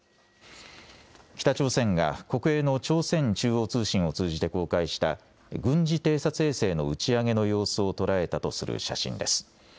北朝鮮が国営の朝鮮中央通信を通じて公開した軍事偵察衛星の打ち上げの様子を捉えたとする写真です。